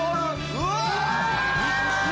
・うわ！